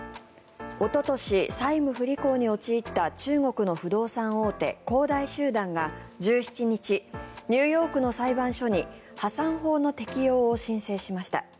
おととし、債務不履行に陥った中国の不動産大手恒大集団が１７日ニューヨークの裁判所に破産法の適用を申請しました。